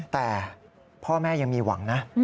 แต่พ่อแม่ยังมีหวังนะ